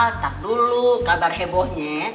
ntar dulu kabar hebohnya